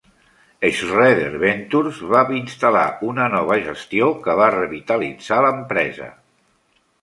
Schroeder Ventures va instal·lar una nova gestió que va revitalitzar l'empresa.